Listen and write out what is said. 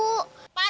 kau zgjhk drdya bu